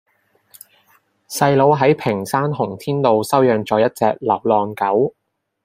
細佬喺屏山洪天路收養左一隻流浪狗